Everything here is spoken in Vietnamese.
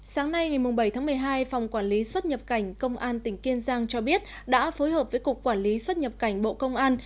sáng nay ngày bảy tháng một mươi hai phòng quản lý xuất nhập cảnh công an tỉnh kiên giang cho biết đã phối hợp với cục quản lý xuất nhập cảnh bộ công an